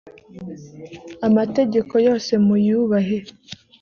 amategeko yose muyubahe.